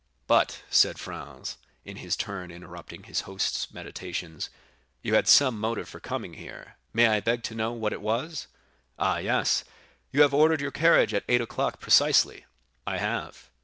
"But," said Franz, in his turn interrupting his host's meditations, "you had some motive for coming here, may I beg to know what it was?" 20099m "Ah, yes; you have ordered your carriage at eight o'clock precisely?" "I have."